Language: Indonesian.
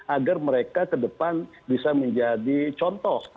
agar mereka ke depan bisa menjadi contoh